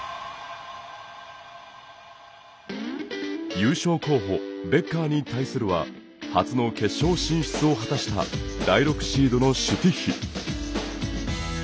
優勝候補ベッカーに対するは初の決勝進出を果たした第６シードのシュティッヒ。